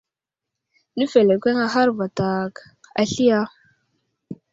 Nəfelekweŋ ahar vatak asli ya ?